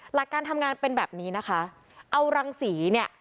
หลักการทำงานเป็นแบบนี้นะคะเอารังสีเนี่ย